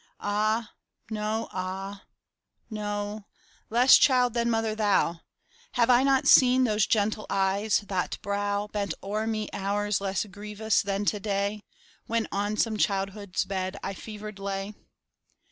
Ah, no, ah, no, less child than mother thou! Have I not seen those gentle eyes, that brow, Bent o'er me hours less grievous than to day, When on some childhood's bed I fevered lay?